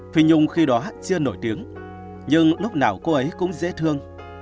phi nhung khi đó chưa nổi tiếng nhưng lúc nào cô ấy cũng dễ thương